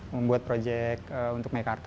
membuat proyek untuk maikarta